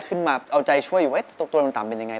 เอาใจช่วยอยู่ว่าตกตัวบนต่ำเป็นอย่างไร